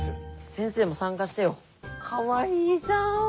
先生も参加してよ。かわいいじゃん！